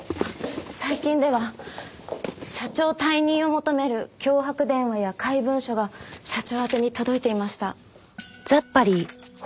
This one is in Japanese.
最近では社長退任を求める脅迫電話や怪文書が社長宛てに届いていました。